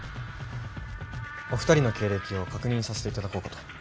お二人の経歴を確認させていただこうかと。